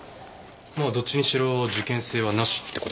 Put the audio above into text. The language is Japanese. まあどっちにしろ事件性はなしって事ですか？